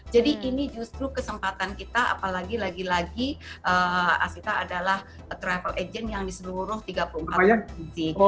jadi ini justru kesempatan kita apalagi lagi lagi kita adalah travel agent yang di seluruh tiga puluh empat provinsi